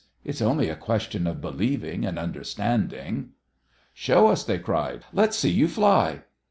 It's only a question of believing and understanding " "Show us!" they cried. "Let's see you fly!"